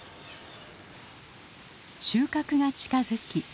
収穫が近づき